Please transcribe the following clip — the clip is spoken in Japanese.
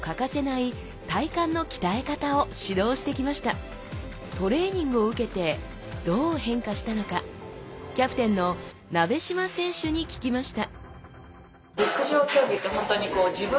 実はトレーニングを受けてどう変化したのかキャプテンの鍋島選手に聞きました